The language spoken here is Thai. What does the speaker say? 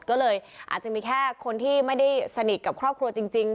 ก็เลยอาจจะมีแค่คนที่ไม่ได้สนิทกับครอบครัวจริง